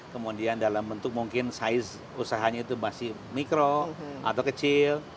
kemudian dalam bentuk mungkin size usahanya itu masih mikro atau kecil